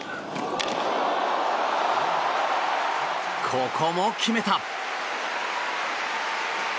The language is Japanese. ここも決めた！